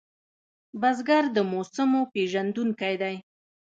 بزګر د موسمو پېژندونکی دی